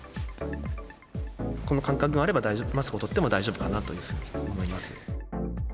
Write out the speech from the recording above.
この間隔があればマスクをとっても大丈夫かなというふうに思います。